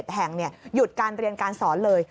แห่งหยุดการเรียนการสอนเลย